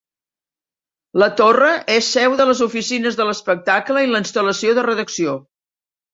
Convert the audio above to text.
La torre és seu de les oficines de l'espectacle i la instal·lació de redacció